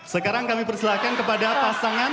sekarang kami persilahkan kepada pasangan